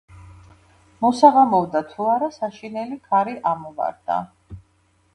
მოსაღამოვდა თუ არა საშინელი ქარი ამოვარდა.